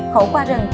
khổ qua rừng